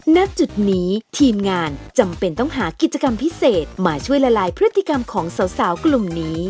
ณจุดนี้ทีมงานจำเป็นต้องหากิจกรรมพิเศษมาช่วยละลายพฤติกรรมของสาวกลุ่มนี้